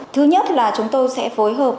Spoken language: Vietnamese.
thứ nhất là chúng tôi sẽ phối hợp